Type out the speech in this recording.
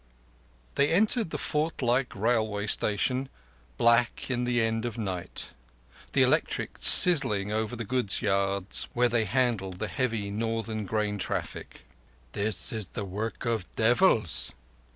They entered the fort like railway station, black in the end of night; the electrics sizzling over the goods yard where they handle the heavy Northern grain traffic. "This is the work of devils!"